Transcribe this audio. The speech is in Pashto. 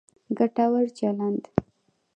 ګټور چلند